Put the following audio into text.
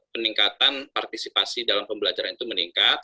peningkatan partisipasi dalam pembelajaran itu meningkat